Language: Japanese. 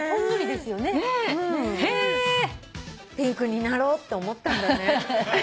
ピンクになろうって思ったんだね。